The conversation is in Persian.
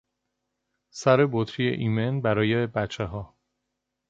سر بطری ایمن برای بچهها